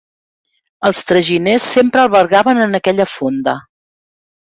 Els traginers sempre albergaven en aquella fonda.